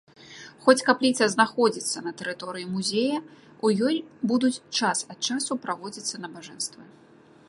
Хоць капліца знаходзіцца на тэрыторыі музея, у ёй будуць час ад часу праводзіцца набажэнствы.